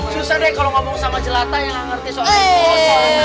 susah deh kalau ngomong sama jelata yang nggak ngerti soal itu